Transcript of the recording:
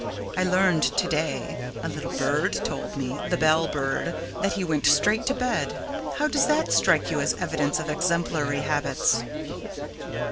I learned to day (a little bird told me the bell bird) that he went straight to bed. How does that strike you as evidence of exemplary habits?